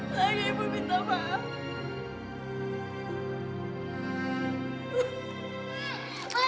pelangi ibu mau bicara sebentar saja